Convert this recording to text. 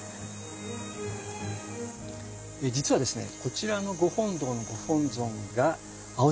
実はですねこちらのご本堂のああ！